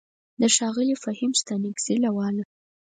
د ښاغلي فهيم ستانکزي له واله: